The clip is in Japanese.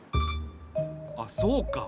あっそうか。